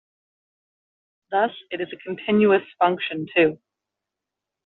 Thus it is a continuous function, too.